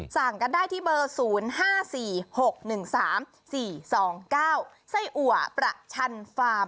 สั่งกันได้ที่เบอร์๐๕๔๖๑๓๔๒๙ไส้อัวประชันฟาร์ม